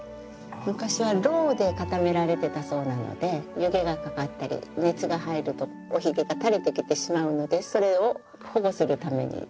昔はろうで固められてたそうなので湯気がかかったり熱が入るとおひげが垂れてきてしまうのでそれを保護するために。